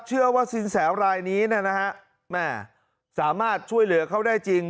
เชื่อว่าสินแสรายนี้นะฮะแม่สามารถช่วยเหลือเขาได้จริง